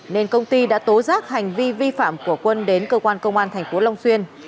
nên công ty đã tố giác hành vi vi phạm của quân đến cơ quan công an thành phố long xuyên